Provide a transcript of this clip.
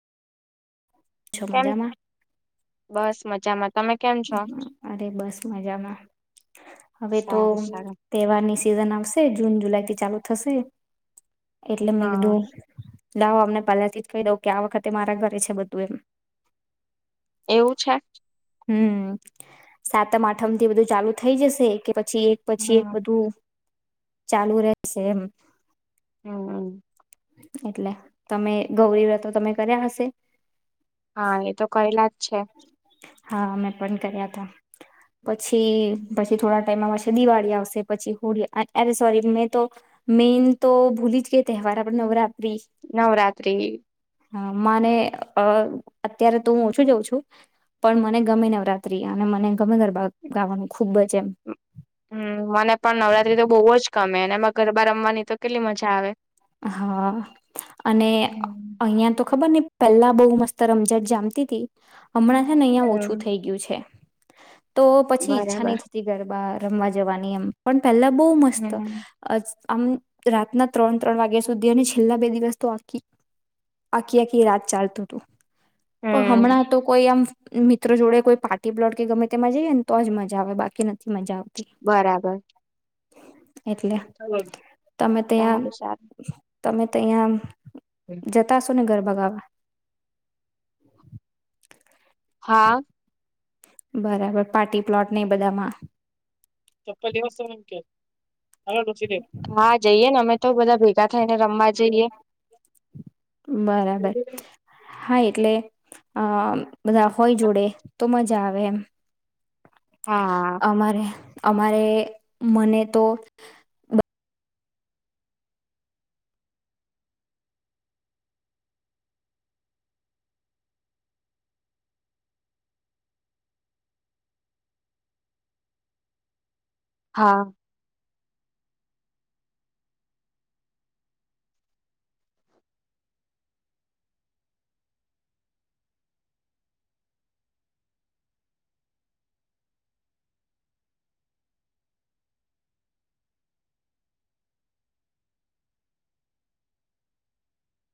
છો કેમ મજામાં બસ મજામાં તમે કેમ છો અરે બસ મજામાં હવે તો સારું સારું તહેવારની સિઝન આવશે. જૂન જુલાઈથી ચાલુ થશે. એટલે મેં હા કીધું લાવો આમને પહેલેથી જ કહી દઉં કે આ વખતે મારા ઘરે છે બધું એમ. એવું છે હમ સાતમ આઠમ થી બધું ચાલુ થઈ જશે કે પી પછી એક પછી એક હમ બધું ચાલુ રહેશે એમ હમ્મ એટલે તમે ગૌરી વ્રતો તમે કર્યા હશે હા એ તો કયલા જ અચ્છા હા મેં પણ કર્યા તા પછી પછી થોડા ટાઈમ આવશે દિવાળી આવશે પછી હોળી અરે સોરી મેં તો મેન તો ભૂલી જ કે તહેવાર આપડે નવરાત્રી નવરાત્રી હમ્મ મને અ અત્યારે તો હું ઓછું જાઉં છું પણ મને ગમે નવરાત્રી અને મને ગમે ગરબા ગાવાનું ખૂબ જ એમ હમ્મ મને પણ નવરાત્રી તો બહુ જ ગમે અને એમાં ગરબા રમવાની તો કેટલી મજા આવે હા અને હમ અહિયાં તો ખબર ન પેલા બહુ મસ્ત રમઝટ જામતી તી હમણાં છે ને અહિયાં ઓછું થઈ ગયું છે તો પછી ઈચ્છા બરાબર નહી થતી ગરબા રમવા જવાની એમ પણ પેલા બહુ મસ્ત હમ આમ રાતના ત્રણ ત્રણ વાગ્યા સુધી અને છેલ્લા બે દિવસ તો આ આખી આખી રાત ચાલતું હતું તો હમ હમણાં તો કોઈ આમ મિત્રો જોડે કોઈ પાર્ટી પ્લોટ કે ગમે તેમાં જઈએ ને તો જ મજા આવે બાકી નથી મજા આવે બરાબર એટલે સારું તમે ત્યાં સારું [inaudible] તમે તો અહીંયા જતાશો ને ગરબા ગાવા હા બરાબર પાર્ટી પ્લોટને એ બધામાં હા જઈએ ને અમે તો બધા ભ ભેગા થઈ ને રમવા જઈએ બરાબર હા એટલે અ બધા હોય જોડે તો મજા આવે તવેમ હા અમારે અમારે મને તો હા